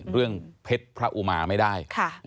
เรื่องเพชรพระอุมาไม่ได้